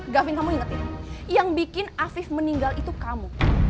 gavin kamu ingetin yang bikin afif meninggal itu kamu